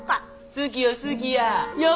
好きや好きや！